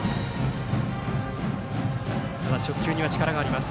ただ直球には力があります。